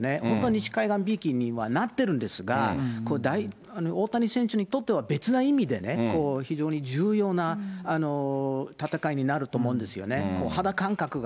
本当は西海岸びいきにはなってるんですが、これ、大谷選手にとっては、別な意味でね、非常に重要な戦いになると思うんですよね。